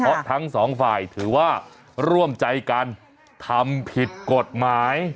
เพราะทั้งสองฝ่ายถือว่าร่วมใจกันทำผิดกฎหมาย